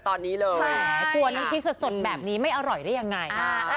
กลัวน้ำพริกสดแบบนี้ไม่อร่อยได้ยังไง